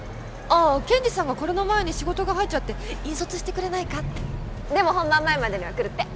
ああケンジさんがこれの前に仕事が入っちゃって引率してくれないかってでも本番前までには来るって